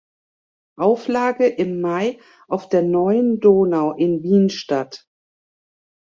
Auflage im Mai auf der Neuen Donau in Wien statt.